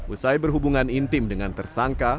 usai berhubungan intim dengan tersangka